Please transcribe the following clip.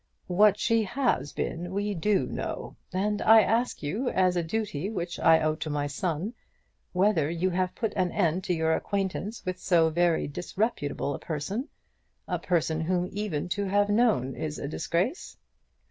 "What she has been we do know, and I ask you, as a duty which I owe to my son, whether you have put an end to your acquaintance with so very disreputable a person, a person whom even to have known is a disgrace?"